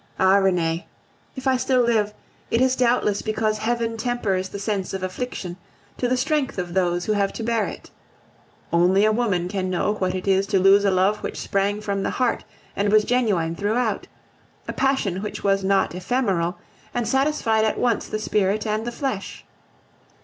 Ah! Renee, if I still live, it is doubtless because Heaven tempers the sense of affliction to the strength of those who have to bear it. Only a woman can know what it is to lose a love which sprang from the heart and was genuine throughout, a passion which was not ephemeral, and satisfied at once the spirit and the flesh.